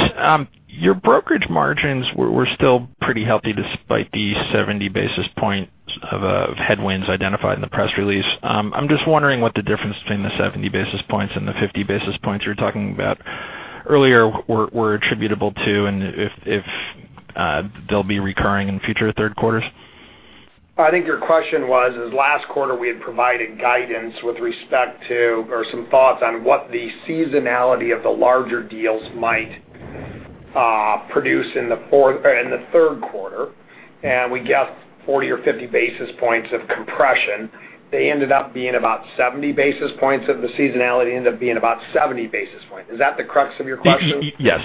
Your brokerage margins were still pretty healthy despite the 70 basis points of headwinds identified in the press release. I'm just wondering what the difference between the 70 basis points and the 50 basis points you were talking about earlier were attributable to, if they'll be recurring in future third quarters. I think your question was, last quarter we had provided guidance with respect to, or some thoughts on what the seasonality of the larger deals might produce in the third quarter. We guessed 40 or 50 basis points of compression. They ended up being about 70 basis points, the seasonality ended up being about 70 basis points. Is that the crux of your question? Yes.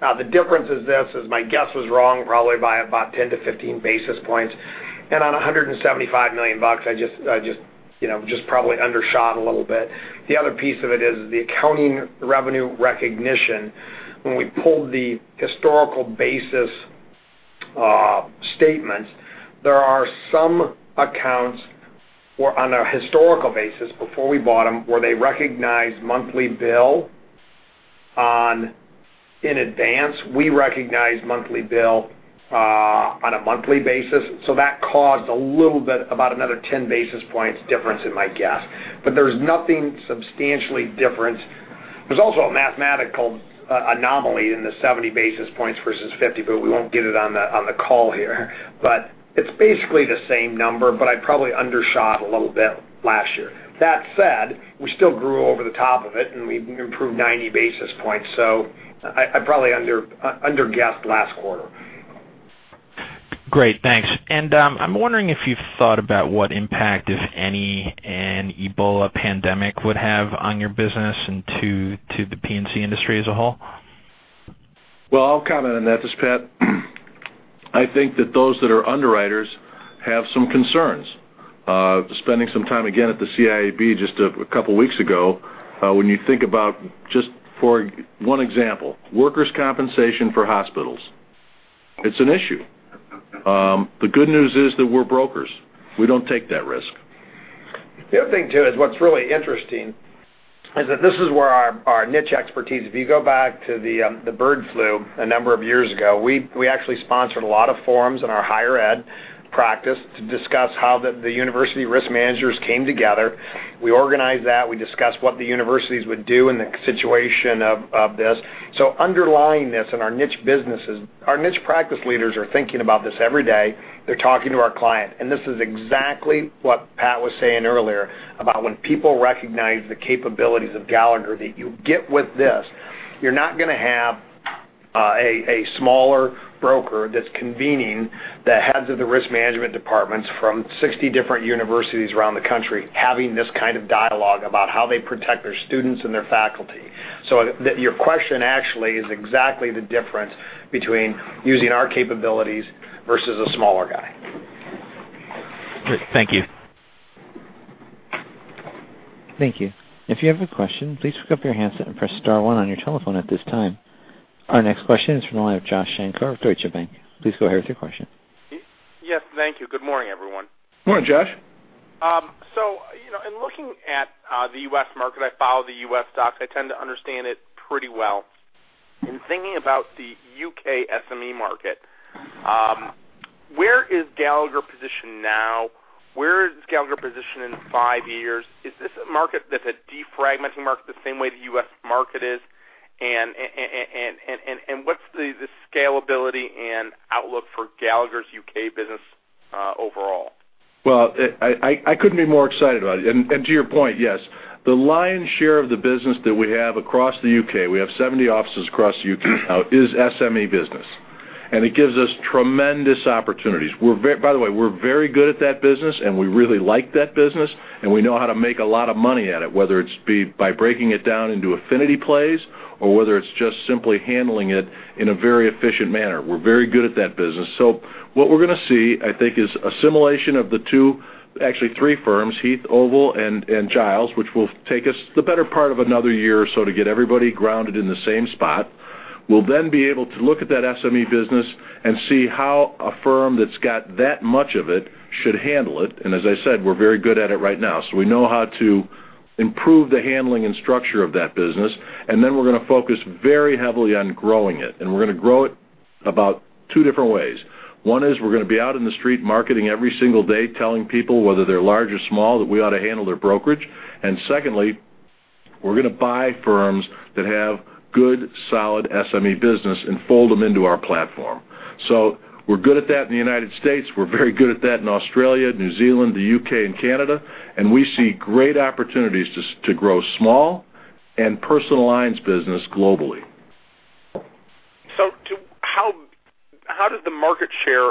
The difference is this, my guess was wrong, probably by about 10 to 15 basis points. On $175 million, I just probably undershot a little bit. The other piece of it is the accounting revenue recognition. When we pulled the historical basis statements, there are some accounts where on a historical basis, before we bought them, where they recognized monthly bill in advance. We recognized monthly bill on a monthly basis. That caused a little bit, about another 10 basis points difference in my guess. There's nothing substantially different. There's also a mathematical anomaly in the 70 basis points versus 50, we won't get it on the call here. It's basically the same number, but I probably undershot a little bit last year. That said, we still grew over the top of it and we improved 90 basis points. I probably underguessed last quarter. Great, thanks. I'm wondering if you've thought about what impact, if any, an Ebola pandemic would have on your business and to the P&C industry as a whole. I'll comment on that, Pat. I think that those that are underwriters have some concerns. Spending some time again at the CIAB just a couple of weeks ago, when you think about just for one example, workers' compensation for hospitals. It's an issue. The good news is that we're brokers. We don't take that risk. The other thing, too, is what's really interesting is that this is where our niche expertise, if you go back to the bird flu a number of years ago, we actually sponsored a lot of forums in our higher ed practice to discuss how the university risk managers came together. We organized that, we discussed what the universities would do in the situation of this. Underlying this in our niche businesses, our niche practice leaders are thinking about this every day. They're talking to our client. This is exactly what Pat was saying earlier about when people recognize the capabilities of Gallagher that you get with this. You're not going to have a smaller broker that's convening the heads of the risk management departments from 60 different universities around the country, having this kind of dialogue about how they protect their students and their faculty. Your question actually is exactly the difference between using our capabilities versus a smaller guy. Great. Thank you. Thank you. If you have a question, please pick up your handset and press star one on your telephone at this time. Our next question is from the line of Josh Shanker of Deutsche Bank. Please go ahead with your question. Yes, thank you. Good morning, everyone. Morning, Josh. In looking at the U.S. market, I follow the U.S. stocks, I tend to understand it pretty well. In thinking about the U.K. SME market, where is Gallagher positioned now? Where is Gallagher positioned in five years? Is this a market that's a defragmenting market the same way the U.S. market is? What's the scalability and outlook for Gallagher's U.K. business overall? Well, I couldn't be more excited about it. To your point, yes, the lion's share of the business that we have across the U.K., we have 70 offices across the U.K. now, is SME business, and it gives us tremendous opportunities. By the way, we're very good at that business, and we really like that business, and we know how to make a lot of money at it, whether it's by breaking it down into affinity plays or whether it's just simply handling it in a very efficient manner. We're very good at that business. What we're going to see, I think, is assimilation of the two, actually three firms, Heath, Oval, and Giles, which will take us the better part of another year or so to get everybody grounded in the same spot. We'll then be able to look at that SME business and see how a firm that's got that much of it should handle it. As I said, we're very good at it right now. We know how to improve the handling and structure of that business. Then we're going to focus very heavily on growing it. We're going to grow it about two different ways. One is we're going to be out in the street marketing every single day, telling people whether they're large or small, that we ought to handle their brokerage. Secondly, we're going to buy firms that have good, solid SME business and fold them into our platform. We're good at that in the United States. We're very good at that in Australia, New Zealand, the U.K., and Canada. We see great opportunities to grow small and personal lines business globally. How does the market share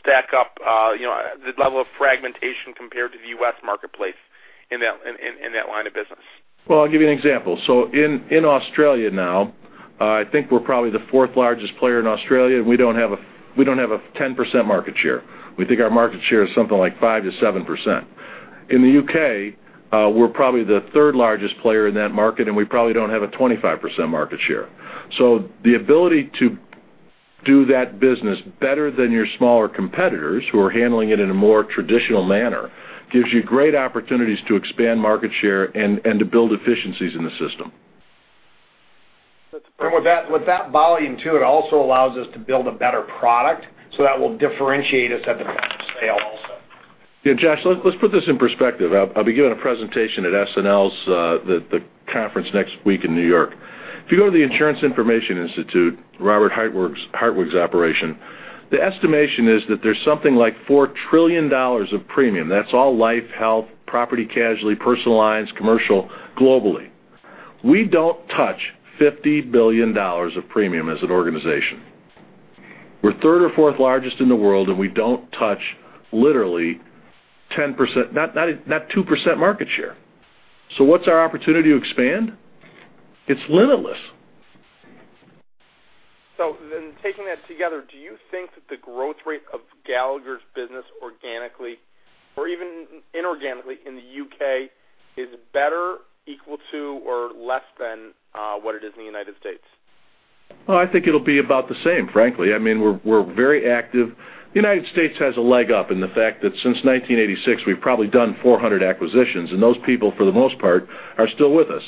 stack up, the level of fragmentation compared to the U.S. marketplace in that line of business? I'll give you an example. In Australia now, I think we're probably the fourth largest player in Australia, and we don't have a 10% market share. We think our market share is something like 5%-7%. In the U.K., we're probably the third largest player in that market, and we probably don't have a 25% market share. The ability to do that business better than your smaller competitors who are handling it in a more traditional manner gives you great opportunities to expand market share and to build efficiencies in the system. With that volume, too, it also allows us to build a better product, so that will differentiate us at the point of sale also. Josh, let's put this in perspective. I'll be giving a presentation at SNL Financial's, the conference next week in New York. If you go to the Insurance Information Institute, Robert Hartwig's operation, the estimation is that there's something like $4 trillion of premium. That's all life, health, property, casualty, personal lines, commercial, globally. We don't touch $50 billion of premium as an organization. We're third or fourth largest in the world, and we don't touch literally 10%, not 2% market share. What's our opportunity to expand? It's limitless. Taking that together, do you think that the growth rate of Gallagher's business organically or even inorganically in the U.K. is better, equal to, or less than what it is in the U.S.? I think it'll be about the same, frankly. We're very active. The U.S. has a leg up in the fact that since 1986, we've probably done 400 acquisitions, and those people, for the most part, are still with us.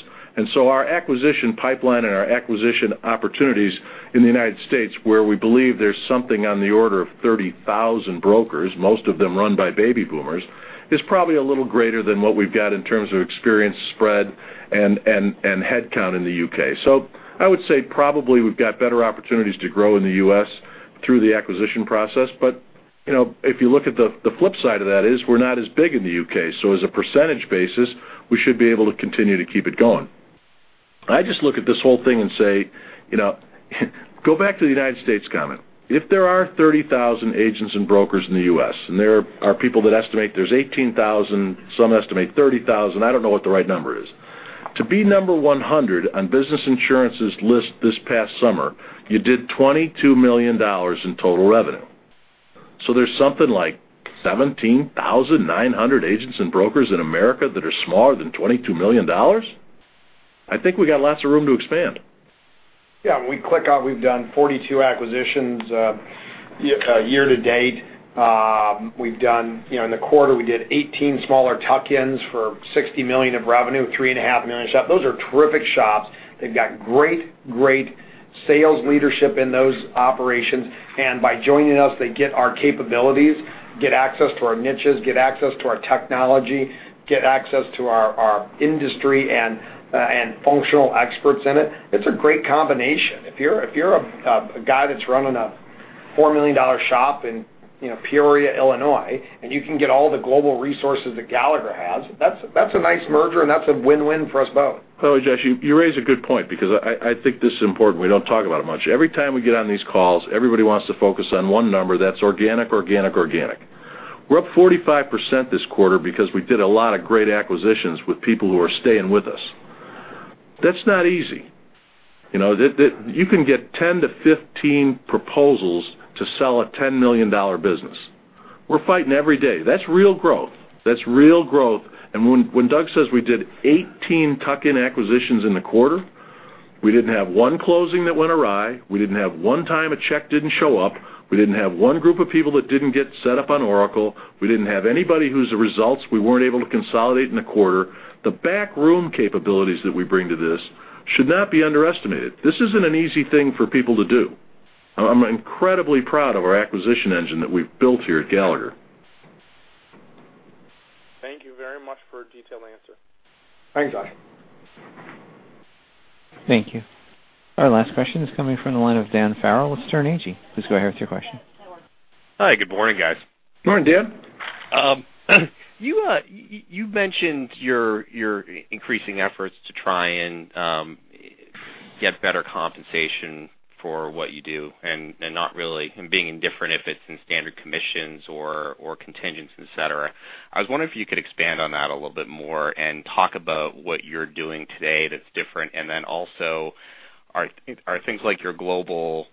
Our acquisition pipeline and our acquisition opportunities in the U.S., where we believe there's something on the order of 30,000 brokers, most of them run by baby boomers, is probably a little greater than what we've got in terms of experience spread and headcount in the U.K. I would say probably we've got better opportunities to grow in the U.S. through the acquisition process. If you look at the flip side of that is we're not as big in the U.K. As a percentage basis, we should be able to continue to keep it going. I just look at this whole thing and say, go back to the U.S. comment. There are 30,000 agents and brokers in the U.S., and there are people that estimate there's 18,000, some estimate 30,000, I don't know what the right number is. To be number 100 on Business Insurance's list this past summer, you did $22 million in total revenue. There's something like 17,900 agents and brokers in America that are smaller than $22 million? I think we got lots of room to expand. Yeah, when we click out, we've done 42 acquisitions year to date. In the quarter, we did 18 smaller tuck-ins for $60 million of revenue, $ three and a half million shop. Those are terrific shops. They've got great sales leadership in those operations. By joining us, they get our capabilities, get access to our niches, get access to our technology, get access to our industry and functional experts in it. It's a great combination. If you're a guy that's running a $4 million shop in Peoria, Illinois, and you can get all the global resources that Gallagher has, that's a nice merger, and that's a win-win for us both. Oh, Josh, you raise a good point because I think this is important. We don't talk about it much. Every time we get on these calls, everybody wants to focus on one number, that's organic. We're up 45% this quarter because we did a lot of great acquisitions with people who are staying with us. That's not easy. You can get 10 to 15 proposals to sell a $10 million business. We're fighting every day. That's real growth. That's real growth. When Doug says we did 18 tuck-in acquisitions in the quarter, we didn't have one closing that went awry. We didn't have one time a check didn't show up. We didn't have one group of people that didn't get set up on Oracle. We didn't have anybody whose results we weren't able to consolidate in a quarter. The backroom capabilities that we bring to this should not be underestimated. This isn't an easy thing for people to do. I'm incredibly proud of our acquisition engine that we've built here at Gallagher. Thank you very much for a detailed answer. Thanks, Josh. Thank you. Our last question is coming from the line of Dan Farrell with Sterne Agee. Please go ahead with your question. Hi, good morning, guys. Good morning, Dan. You mentioned your increasing efforts to try and get better compensation for what you do, and being indifferent if it's in standard commissions or contingents, et cetera. I was wondering if you could expand on that a little bit more and talk about what you're doing today that's different, and then also, are things like your global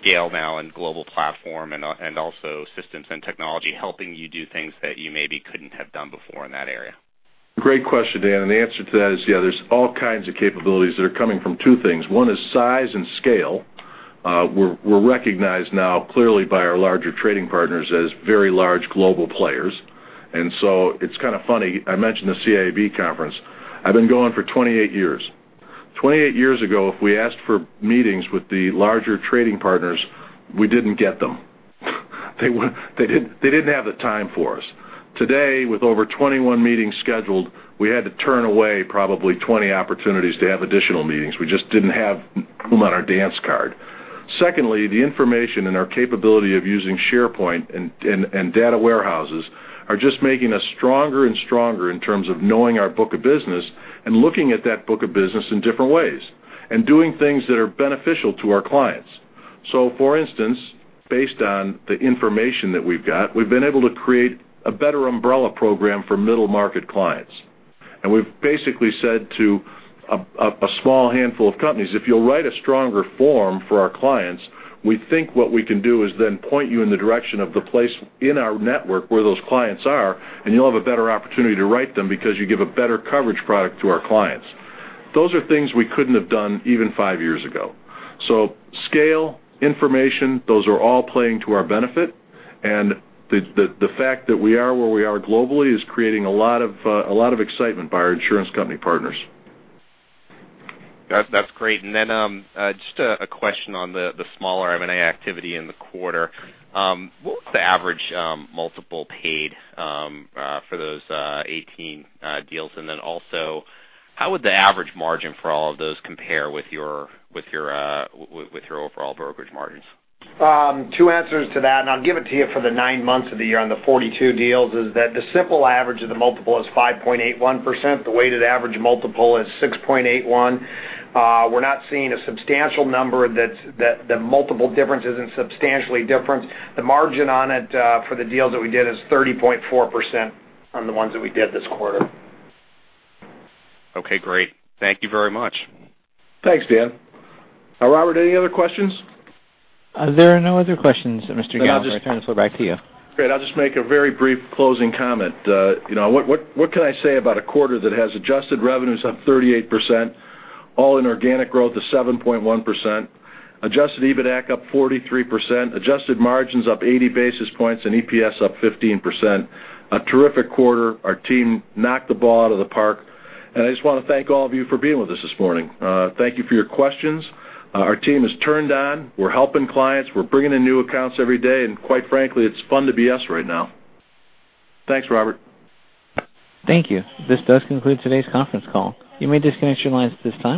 scale now and global platform, and also systems and technology helping you do things that you maybe couldn't have done before in that area? Great question, Dan. The answer to that is, yeah, there's all kinds of capabilities that are coming from two things. One is size and scale. We're recognized now clearly by our larger trading partners as very large global players. It's kind of funny, I mentioned the CIAB conference. I've been going for 28 years. 28 years ago, if we asked for meetings with the larger trading partners, we didn't get them. They didn't have the time for us. Today, with over 21 meetings scheduled, we had to turn away probably 20 opportunities to have additional meetings. We just didn't have room on our dance card. Secondly, the information and our capability of using SharePoint and data warehouses are just making us stronger and stronger in terms of knowing our book of business and looking at that book of business in different ways, and doing things that are beneficial to our clients. For instance, based on the information that we've got, we've been able to create a better umbrella program for middle-market clients. We've basically said to a small handful of companies, "If you'll write a stronger form for our clients, we think what we can do is then point you in the direction of the place in our network where those clients are, and you'll have a better opportunity to write them because you give a better coverage product to our clients." Those are things we couldn't have done even five years ago. Scale, information, those are all playing to our benefit. The fact that we are where we are globally is creating a lot of excitement by our insurance company partners. That's great. Just a question on the smaller M&A activity in the quarter. What was the average multiple paid for those 18 deals? Also, how would the average margin for all of those compare with your overall brokerage margins? Two answers to that, I'll give it to you for the nine months of the year on the 42 deals, is that the simple average of the multiple is 5.81%. The weighted average multiple is 6.81%. We're not seeing a substantial number that multiple difference isn't substantially different. The margin on it for the deals that we did is 30.4% on the ones that we did this quarter. Great. Thank you very much. Thanks, Dan. Robert, any other questions? There are no other questions, Mr. Gallagher. I'll turn this floor back to you. Great. I'll just make a very brief closing comment. What can I say about a quarter that has adjusted revenues up 38%, all in organic growth of 7.1%, adjusted EBITAC up 43%, adjusted margins up 80 basis points, and EPS up 15%? A terrific quarter. Our team knocked the ball out of the park, and I just want to thank all of you for being with us this morning. Thank you for your questions. Our team is turned on. We're helping clients. We're bringing in new accounts every day, and quite frankly, it's fun to be us right now. Thanks, Robert. Thank you. This does conclude today's conference call. You may disconnect your lines at this time.